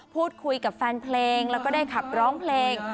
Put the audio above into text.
พูดคุยกับแฟนเพลงแล้วก็ได้ขับร้องเพลง